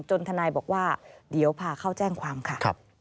ทนายบอกว่าเดี๋ยวพาเข้าแจ้งความค่ะ